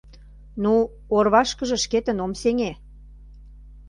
Ну, орвашкыже шкетын ом сеҥе.